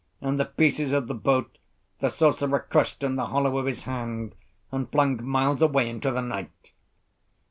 And the pieces of the boat the sorcerer crushed in the hollow of his hand and flung miles away into the night.